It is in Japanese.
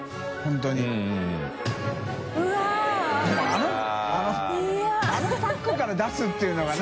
任あのパックから出すっていうのがな。